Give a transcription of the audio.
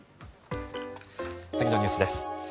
次のニュースです。